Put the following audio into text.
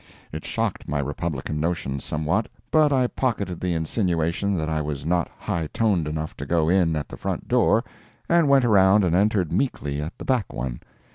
It shocked my republican notions somewhat, but I pocketed the insinuation that I was not high toned enough to go in at the front door, and went around and entered meekly at the back one.